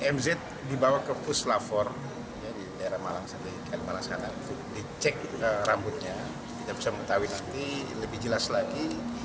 mz dibawa ke puslab for malam malam di cek rambutnya bisa mengetahui lebih jelas lagi